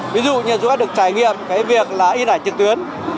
ví dụ như du khách được trải nghiệm cái việc là in ảnh trực tuyến